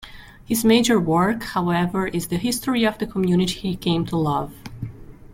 His major work, however, is the history of the community he came to love.